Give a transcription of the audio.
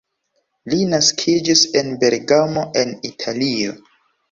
Li naskiĝis en Bergamo en Italio.